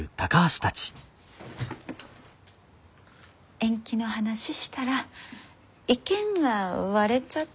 延期の話したら意見が割れちゃって。